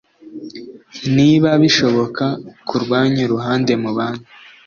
niba bishoboka ku rwanyu ruhande mubane